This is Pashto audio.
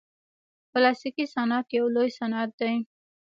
پلاستيکي صنعت یو لوی صنعت دی.